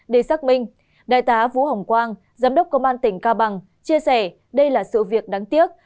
để xác minh đại tá vũ hồng quang giám đốc công an tỉnh cao bằng chia sẻ đây là sự việc đáng tiếc